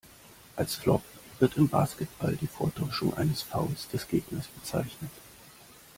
Als Flop wird im Basketball die Vortäuschung eines Fouls des Gegners bezeichnet.